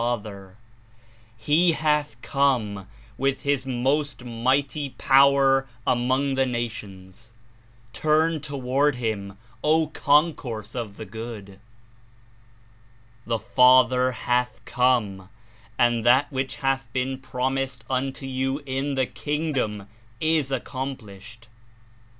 ^^^^^^ Incarnate • i t t • i t » come with His most mighty rower among the nations: turn toward Him, O concourse of the good! The Father hath come, and that which hath been promised unto you in the Kingdom is accomplished.